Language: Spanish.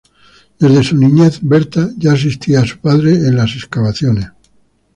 Desde su niñez, Bertha ya asistía a su padre en las excavaciones.